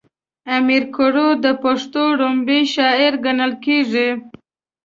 امير کروړ د پښتو ړومبی شاعر ګڼلی کيږي